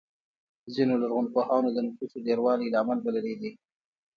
ځینو لرغونپوهانو د نفوسو ډېروالی لامل بللی دی